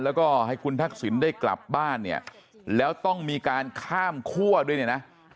แล้วก็ให้คุณทักษิณได้กลับบ้านเนี่ยแล้วต้องมีการข้ามคั่วด้วยเนี่ยนะ